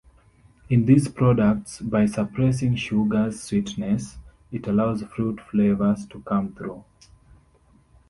In these products, by suppressing sugar's sweetness, it allows fruit flavors to come through.